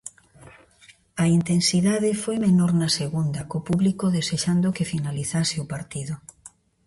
A intensidade foi menor na segunda, co público desexando que finalizase o partido.